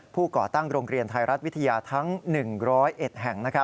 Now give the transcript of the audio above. ก่อตั้งโรงเรียนไทยรัฐวิทยาทั้ง๑๐๑แห่ง